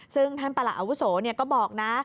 ซึ่งท่านประหลัดอาวุโสก็บอกนะ